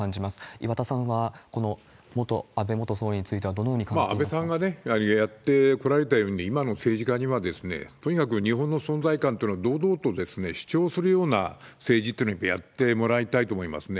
岩田さんは安倍元総理についてはどのように感じていらっしゃいま安倍さんがやってこられたように、今の政治家には、とにかく日本の存在感っていうのを堂々と主張するような政治というのをやってもらいたいと思いますね。